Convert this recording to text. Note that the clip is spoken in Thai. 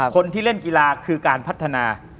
คนที่เล่นกีฬาคือการพัฒนา